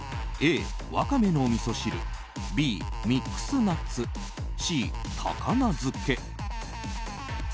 Ａ、ワカメのみそ汁Ｂ、ミックスナッツＣ、高菜漬け。